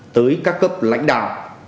tới các cấp lãnh đạo